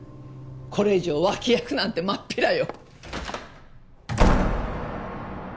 これ以上脇役なんてまっぴらよ。